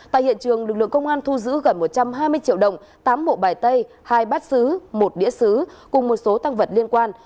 tại hiện trường lực lượng công an thu giữ gần một trăm hai mươi triệu đồng tám bộ bài tay hai bát xứ một đĩa xứ cùng một số tăng vật liên quan